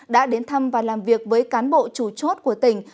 đã đến thăm và làm việc với cán bộ chủ chốt của tỉnh